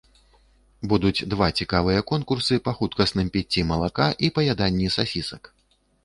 Будуць два цікавыя конкурсы па хуткасным піцці малака і паяданні сасісак.